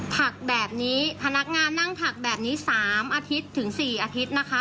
ผักแบบนี้พนักงานนั่งผักแบบนี้๓อาทิตย์ถึง๔อาทิตย์นะคะ